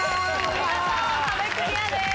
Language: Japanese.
見事壁クリアです。